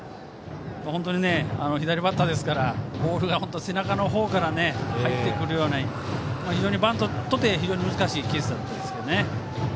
本当に左バッターですからボールが背中の方から入ってくるようなバントとて非常に難しいケースだったですけどね。